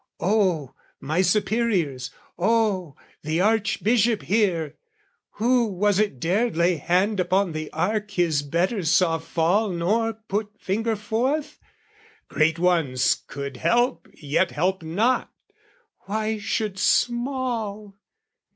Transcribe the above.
"Oh, my superiors, oh, the Archbishop here! "Who was it dared lay hand upon the ark "His betters saw fall nor put finger forth? "Great ones could help yet help not: why should small?